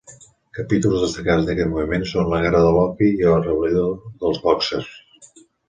Capítols destacats d'aquest moviment són la Guerra de l'opi i la rebel·lió dels bòxers.